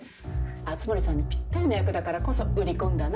熱護さんにぴったりの役だからこそ売り込んだの。